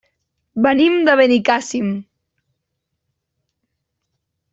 Venim de Benicàssim.